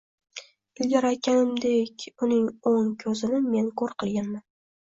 Ilgari aytganimdek, uning o‘ng ko‘zini men ko‘r qilganman